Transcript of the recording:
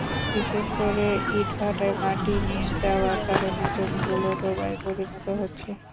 বিশেষ করে ইটভাটায় মাটি নিয়ে যাওয়ার কারণে জমিগুলো ডোবায় পরিণত হচ্ছে।